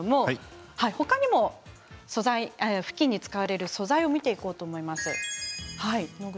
他にもふきんに使われる素材を見ていこうと思います。